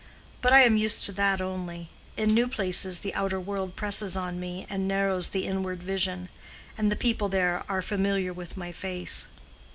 But I am used to that only. In new places the outer world presses on me and narrows the inward vision. And the people there are familiar with my face."